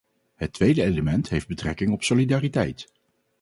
Het tweede element heeft betrekking op solidariteit.